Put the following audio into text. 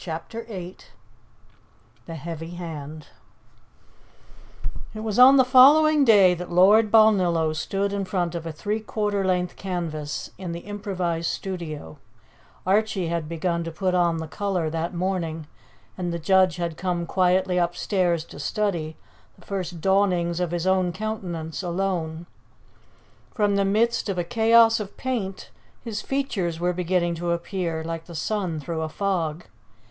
CHAPTER VIII THE HEAVY HAND IT was on the following day that Lord Balnillo stood in front of a three quarter length canvas in the improvised studio; Archie had begun to put on the colour that morning, and the judge had come quietly upstairs to study the first dawnings of his own countenance alone. From the midst of a chaos of paint his features were beginning to appear, like the sun through a fog.